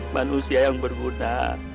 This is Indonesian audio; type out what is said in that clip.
manusia yang berguna